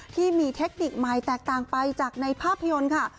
ที่มีเทคนิคใหม่แตกต่างไปจากในภาพยนตร์ค่ะ